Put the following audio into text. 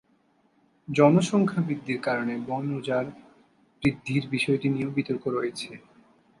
জনসংখ্যা বৃদ্ধির কারণে বন উজাড় বৃদ্ধির বিষয়টি নিয়েও বিতর্ক রয়েছে।